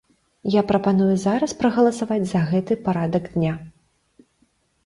Я прапаную зараз прагаласаваць за гэты парадак дня.